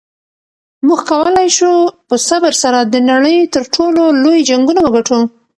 موږ کولی شو په صبر سره د نړۍ تر ټولو لوی جنګونه وګټو.